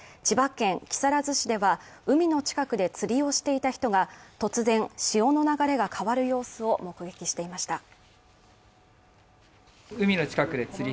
千葉県木更津市では海の近くで釣りをしていた人が突然、潮の流れが変わる様子を目撃していました。